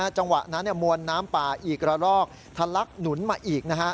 จังหวะนั้นมวลน้ำป่าอีกระรอกทะลักหนุนมาอีก